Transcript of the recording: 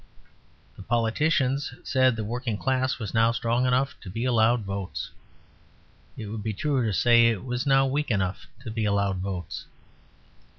The politicians said the working class was now strong enough to be allowed votes. It would be truer to say it was now weak enough to be allowed votes.